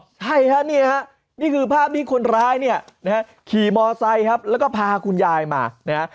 ใช่ฮะนี่ฮะนี่คือภาพที่คนร้ายเนี่ยนะฮะขี่มอไซค์ครับแล้วก็พาคุณยายมานะฮะ